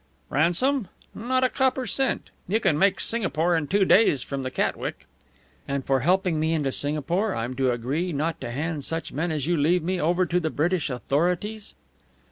"Ransom? Not a copper cent! You can make Singapore in two days from the Catwick." "And for helping me into Singapore I'm to agree not to hand such men as you leave me over to the British authorities?"